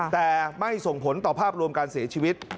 แต่ไม่ส่งผลต่อภาพรวมการเสียชีวิต